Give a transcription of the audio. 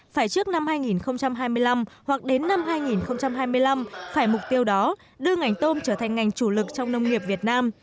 phải trước năm hai nghìn hai mươi năm hoặc đến năm hai nghìn hai mươi năm phải mục tiêu đó đưa ngành tôm trở thành ngành chủ lực trong nông nghiệp việt nam